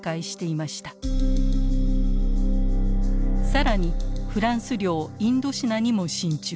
更にフランス領インドシナにも進駐。